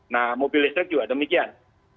nah mobil listrik juga demikian